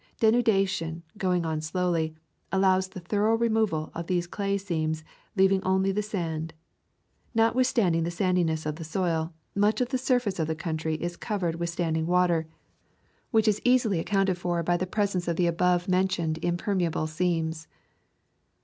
Denudation, go ing on slowly, allows the thorough removal of these clay seams, leaving only the sand. Not withstanding the sandiness of the soil, much of the surface of the country is covered with stand ing water, which is easily accounted for by the A Thousand Mile Walk presence of the above mentioned impermeable seams.